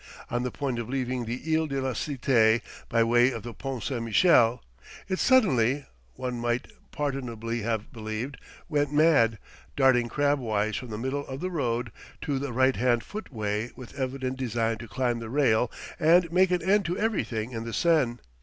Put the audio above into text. On the point of leaving the Ile de la Cité by way of the Pont St. Michel, it suddenly (one might pardonably have believed) went mad, darting crabwise from the middle of the road to the right hand footway with evident design to climb the rail and make an end to everything in the Seine.